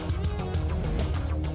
biar orang tinggal weird